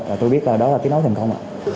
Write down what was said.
và tôi biết là đó là kết nối thành công